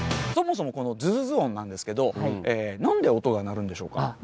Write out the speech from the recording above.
そもそもこのズズズ音なんですけどなんで音が鳴るんでしょうか？